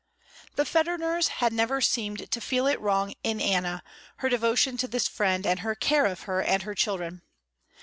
The Federners had never seemed to feel it wrong in Anna, her devotion to this friend and her care of her and of her children.